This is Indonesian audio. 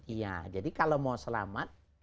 iya jadi kalau mau selamat